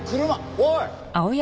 おい！